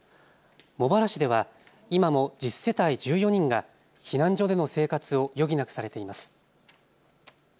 茂原市では今も１０世帯１４人が避難所での生活を余儀なくされています。